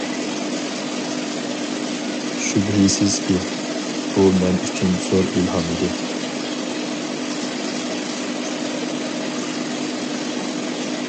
شۈبھىسىزكى، بۇ مەن ئۈچۈن زور ئىلھام ئىدى.